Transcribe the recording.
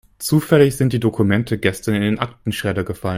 Zufällig sind die Dokumente gestern in den Aktenschredder gefallen.